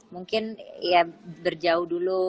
mungkin ya berjauh dulu